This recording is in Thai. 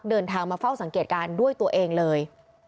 เดินทางมาเฝ้าสังเกตการณ์ด้วยตัวเองเลย